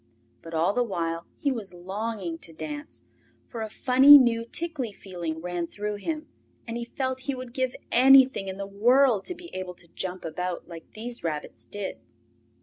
But all the while he was longing to dance, for a funny new tickly feeling ran through him, and he felt he would give anything in the world to be able to jump about like these rabbits did.